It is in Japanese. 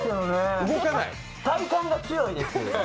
体幹が強いです。